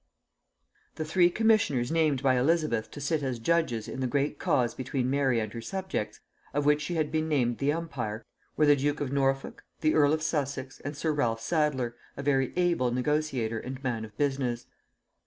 The three commissioners named by Elizabeth to sit as judges in the great cause between Mary and her subjects, of which she had been named the umpire, were the duke of Norfolk, the earl of Sussex, and sir Ralph Sadler, a very able negotiator and man of business.